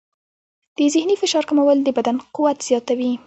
د ذهني فشار کمول د بدن قوت زیاتوي.